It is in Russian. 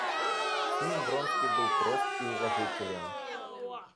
С ним Вронский был прост и уважителен.